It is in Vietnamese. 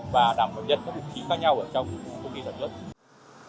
và đảm bảo nhân các vị trí khác nhau ở trong công ty doanh nghiệp